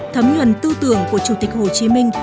thấm nhuận tư tưởng của chủ tịch hồ chí minh